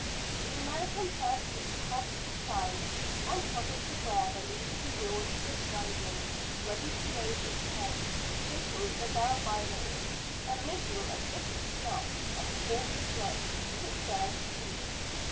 The American pressed his cob's sides and trotted to where the leading mule stood browsing, ready to raise its head, shaking the bell violently, and make a vicious snap at the horse's neck with its bared teeth.